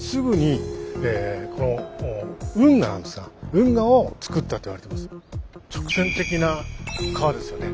運河を造ったと言われてます。